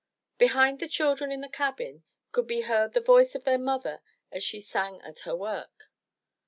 Behind the children in the cabin, could be heard the voice of their mother as she sang at her work.